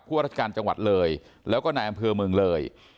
ราชการจังหวัดเลยแล้วก็นายอำเภอเมืองเลย